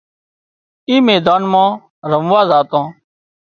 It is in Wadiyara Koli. اي ميدان مان رموا زاتان